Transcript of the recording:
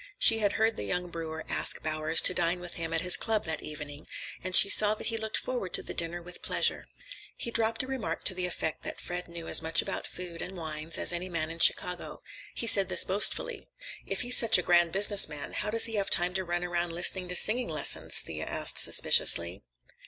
She had heard the young brewer ask Bowers to dine with him at his club that evening, and she saw that he looked forward to the dinner with pleasure. He dropped a remark to the effect that Fred knew as much about food and wines as any man in Chicago. He said this boastfully. "If he's such a grand business man, how does he have time to run around listening to singing lessons?" Thea asked suspiciously.